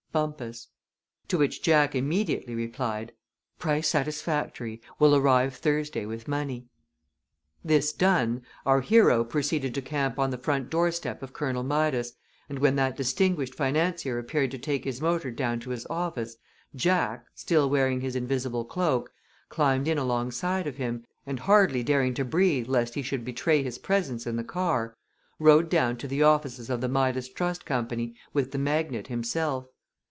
HIRAM BUMPUS. To which Jack immediately replied: "Price satisfactory. Will arrive Thursday with money." This done, our hero proceeded to camp on the front doorstep of Colonel Midas, and when that distinguished financier appeared to take his motor down to his office Jack, still wearing his invisible cloak, climbed in alongside of him, and hardly daring to breathe lest he should betray his presence in the car, rode down to the offices of the Midas Trust Company with the magnate himself.